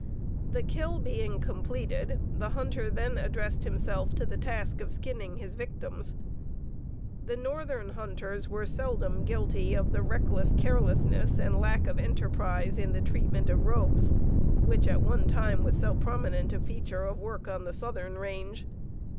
The "kill" being completed, the hunter then addressed himself to the task of skinning his victims. The northern hunters were seldom guilty of the reckless carelessness and lack of enterprise in the treatment of robes which at one time was so prominent a feature of work on the southern range.